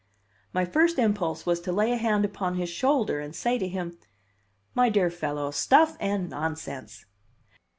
My first impulse was to lay a hand upon his shoulder and say to him: "My dear fellow, stuff and nonsense!"